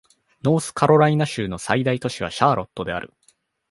ノースカロライナ州の最大都市はシャーロットである